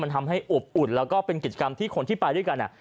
มันทำให้อบอุ่นแล้วก็เป็นกิจกรรมที่คนที่ไปด้วยกัน